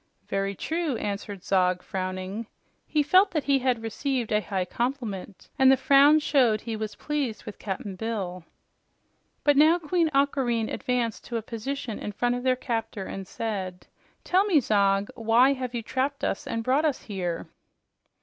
"Very true," answered Zog, frowning. He felt that he had received a high compliment, and the frown showed he was pleased with Cap'n Bill. But now Queen Aquareine advanced to a position in front of their captor and said, "Tell me, Zog, why have you trapped us and brought us here?"